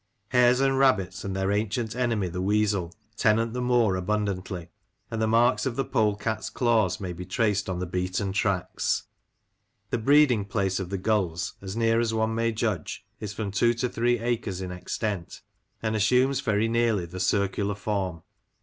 Hares and rabbits, and their ancient enemy the weasel, tenant the moor abundantly, and the marks of the polecat's claws may be traced on the beaten tracks. The breeding place of the gulls, as near as one may judge, is from two to three acres in extent, and assumes very nearly the circular form.